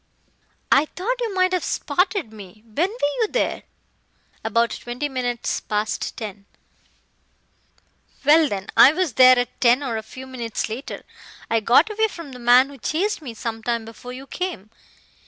"I thought you might have spotted me. When were you there?" "About twenty minutes past ten." "Well, then, I was there at ten or a few minutes later. I got away from the man who chased me some time before you came.